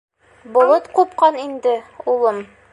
Болот ҡупҡан инде, улым.